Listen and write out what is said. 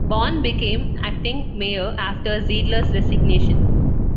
Bohn became acting mayor after Zeidler's resignation.